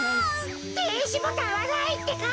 ていしボタンはないってか！？